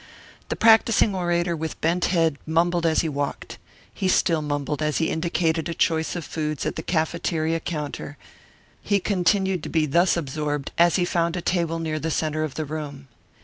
The practising orator with bent head mumbled as he walked. He still mumbled as he indicated a choice of foods at the cafeteria counter; he continued to be thus absorbed as he found a table near the centre of the room.